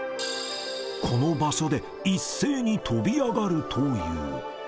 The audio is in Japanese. この場所で一斉に飛び上がるという。